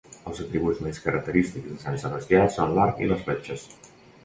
Els atributs més característics de Sant Sebastià són l'arc i les fletxes.